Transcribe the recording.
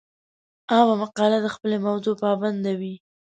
عامه مقاله د خپلې موضوع پابنده وي.